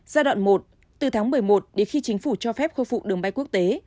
giai đoạn một từ tháng một mươi một đến khi chính phủ cho phép khôi phục đường bay quốc tế